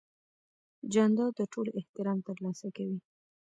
جانداد د ټولو احترام ترلاسه کوي.